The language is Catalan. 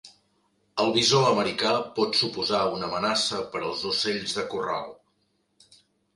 El visó americà pot suposar una amenaça per als ocells de corral.